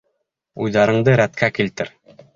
Уйҙарыңды рәткә килтер.